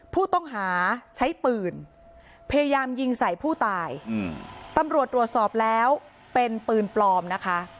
ผู้ต้องหาใช้ปืนพยายามยิงใส่ผู้ตายตำรวจตรวจสอบแล้วเป็นปืนปลอมนะคะ